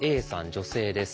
女性です。